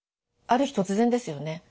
ある日突然ですよね